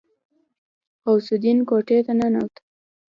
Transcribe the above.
غوث الدين کوټې ته ننوت.